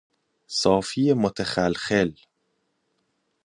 صافی متخلخل